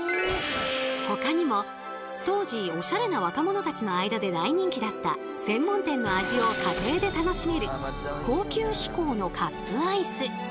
ほかにも当時おしゃれな若者たちの間で大人気だった専門店の味を家庭で楽しめる高級志向のカップアイス。